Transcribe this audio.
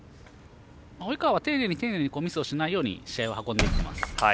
及川は丁寧にミスをしないように試合を運んできています。